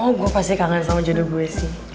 oh gue pasti kangen sama jodoh gue sih